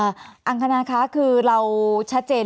แอนตาซินเยลโรคกระเพาะอาหารท้องอืดจุกเสียดแสบร้อน